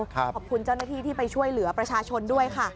ขอบคุณเจ้าหน้าที่ที่ไปช่วยเหลือประชาชนด้วยค่ะ